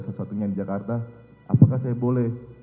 satu satunya di jakarta apakah saya boleh